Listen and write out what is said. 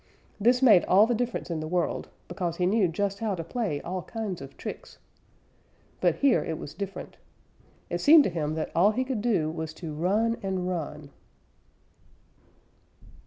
This made all the difference in the world, because he knew just how to play all kinds of tricks. But here it was different. It seemed to him that all he could do was to run and run.